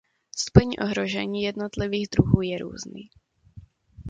Stupeň ohrožení jednotlivých druhů je různý.